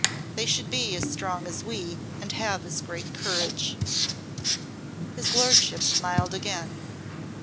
They should be as strong as we, and have as great courage." His Lordship smiled again.